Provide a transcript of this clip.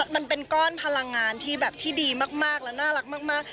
มันเป็นก้อนพลังงานที่แบบที่ดีมากและน่ารักมาก